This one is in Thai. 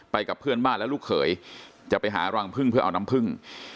กับเพื่อนบ้านและลูกเขยจะไปหารังพึ่งเพื่อเอาน้ำผึ้ง